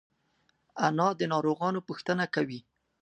انا د ناروغانو پوښتنه کوي